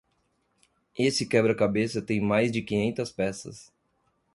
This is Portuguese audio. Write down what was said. Esse quebra-cabeça tem mais de quinhentas peças.